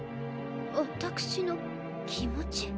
私の気持ち？